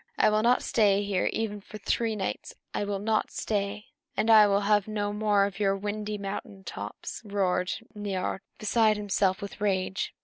I will not stay here even for three nights! I will not stay!" "And I will have no more of your windy mountain tops," roared Niörd, beside himself with rage.